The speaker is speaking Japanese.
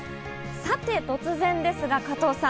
さて、突然ですが加藤さん。